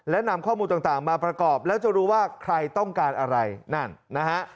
และนำข้อมูลต่างมาประกอบแล้วจะรู้ว่าใครต้องการอะไรนั่นนะฮะ